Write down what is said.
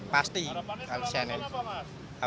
pasti kalau saya nilai